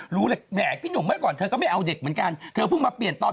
หรือจะอยู่ด้วย